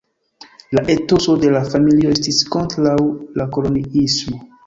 La etoso de la familio estis kontraŭ la koloniismo.